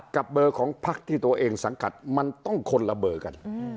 กับเบอร์ของพักที่ตัวเองสังกัดมันต้องคนละเบอร์กัน